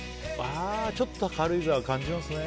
ちょっと軽井沢感じますね。